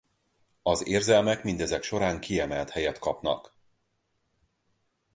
Az érzelmek mindezek során kiemelt helyet kapnak.